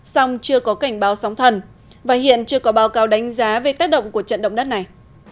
song chưa có cảnh báo sóng thần và hiện chưa có báo cáo đánh giá về tác động của trận động đất này